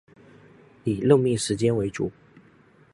以任命时间为主